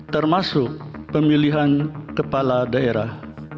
termasuk pemilihan kepala daerah